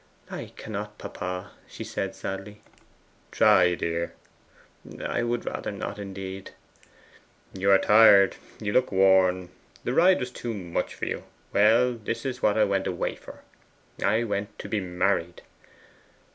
'I cannot, papa,' she said sadly. 'Try, dear.' 'I would rather not, indeed.' 'You are tired. You look worn. The ride was too much for you. Well, this is what I went away for. I went to be married!